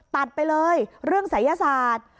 ตัดไปเลยเรื่องศัยศาสตร์